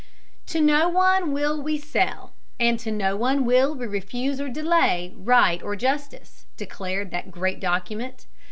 "To no one will we sell, and to no one will we refuse or delay, right or justice," declared that great document.